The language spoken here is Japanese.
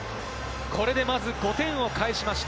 これでまず５点を返しました。